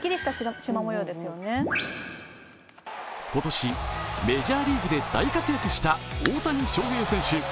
今年、メジャーリーグで大活躍した大谷翔平選手。